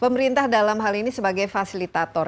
pemerintah dalam hal ini sebagai fasilitator